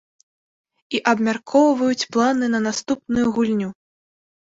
І абмяркоўваюць планы на наступную гульню.